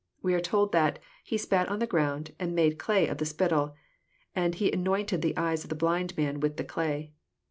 We are told that " He spat on the ground, and made clay of the spittle, and He anointed the eyes of the blind man with the clay."